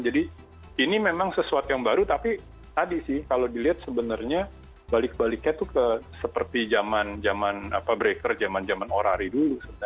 jadi ini memang sesuatu yang baru tapi tadi sih kalau dilihat sebenarnya balik baliknya tuh seperti zaman breaker zaman zaman orari dulu